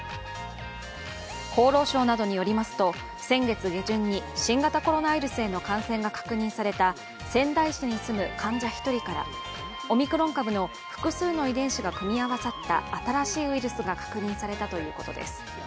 厚労省などによりますと先月下旬に新型コロナウイルスへの感染が確認された仙台市に住む患者１人からオミクロン株の複数の遺伝子が組み合わさった新しいウイルスが確認されたということです。